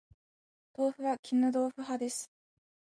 豆腐は絹豆腐派です